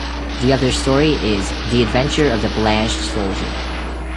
The other story is "The Adventure of the Blanched Soldier".